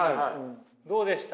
どうでした？